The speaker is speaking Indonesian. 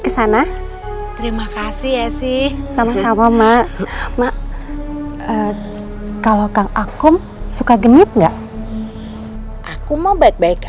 ke sana terima kasih ya sih sama sama mak mak kalau kakom suka genit enggak aku mau baik baik